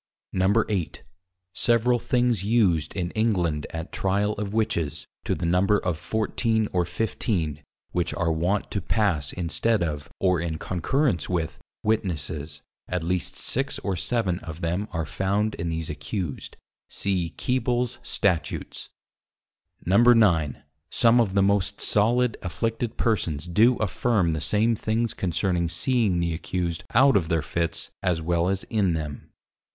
8. Several things used in England at Tryal of Witches, to the Number of 14 or 15 which are wont to pass instead of, or in Concurrence with Witnesses, at least 6 or 7 of them are found in these accused: see Keebles Statutes. 9. Some of the most solid Afflicted Persons do affirme the same things concerning seeing the accused out of their Fitts as well as in them.